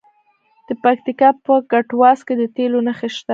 د پکتیکا په کټواز کې د تیلو نښې شته.